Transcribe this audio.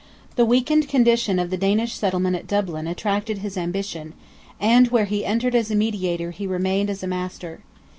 The weakened condition of the Danish settlement at Dublin attracted his ambition, and where he entered as a mediator he remained as a master.